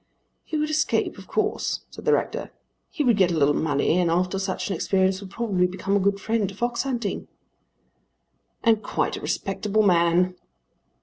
"He would escape of course," said the rector. "He would get a little money and after such an experience would probably become a good friend to fox hunting." "And quite a respectable man!"